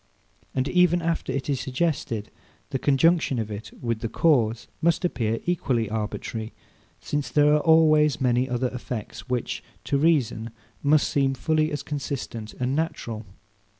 And even after it is suggested, the conjunction of it with the cause must appear equally arbitrary; since there are always many other effects, which, to reason, must seem fully as consistent and natural.